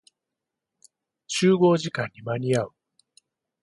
集合時間に間に合う。